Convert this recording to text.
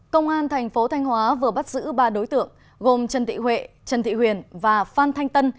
công an thành phố thanh hóa vừa bắt giữ ba đối tượng gồm trần thị huệ trần thị huyền và phan thanh tân